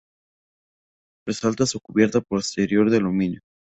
Resalta su cubierta posterior de aluminio.